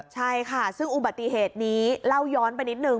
ใช่ค่ะซึ่งอุบัติเหตุนี้เล่าย้อนไปนิดนึ